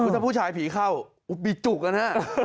ถ้าผู้ชายผีเข้ามีจุกอ่ะนะ